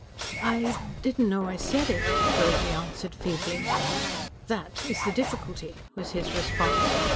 "I didn't know I said it," Rosy answered feebly. "That is the difficulty," was his response.